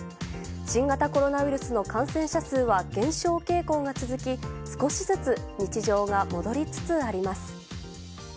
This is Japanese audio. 新型コロナウイルスの感染者数は減少傾向が続き、少しずつ日常が戻りつつあります。